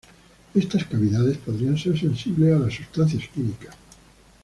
Estas cavidades podrían ser sensibles a las sustancias químicas.